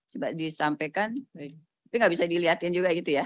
coba disampaikan tapi nggak bisa dilihatin juga gitu ya